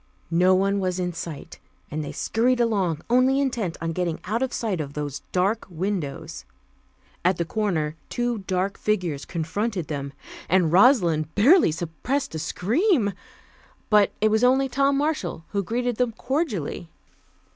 No one was in sight, and they scurried along, only intent on getting out of sight of those dark windows. At the corner two dark figures confronted them, and Rosalind barely suppressed a scream. But it was only Tom Marshall, who greeted them cordially.